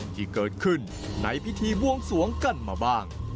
ที่เกิดขึ้นในพิธีบวงสวงกันมาบ้าง